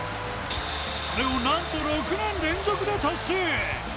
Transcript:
それを、なんと６年連続で達成。